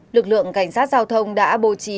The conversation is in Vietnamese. lực lượng cảnh sát giao thông đã bố trí